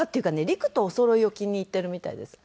陸とおそろいを気に入ってるみたいです。